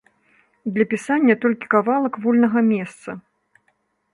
Для пісання толькі кавалак вольнага месца.